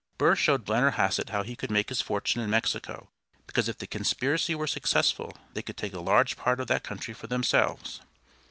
Burr showed Blennerhassett how he could make his fortune in Mexico, because if the conspiracy were successful they could take a large part of that country for themselves.